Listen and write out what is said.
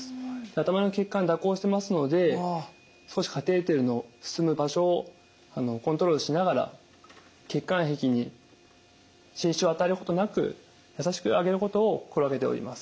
頭の血管蛇行してますので少しカテーテルの進む場所をコントロールしながら血管壁に損傷を与えることなく優しく上げることを心がけております。